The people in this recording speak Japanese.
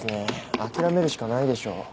諦めるしかないでしょう。